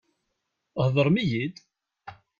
Heḍṛem-iyi-d!